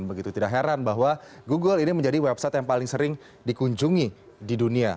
begitu tidak heran bahwa google ini menjadi website yang paling sering dikunjungi di dunia